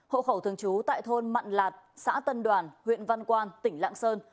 hộ khẩu thường trú tại thôn mặn lạc xã tân đoàn huyện văn quan tỉnh lạng sơn